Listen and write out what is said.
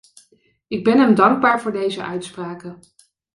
Ik ben hem dankbaar voor deze uitspraken.